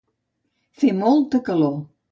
Fer molta calor.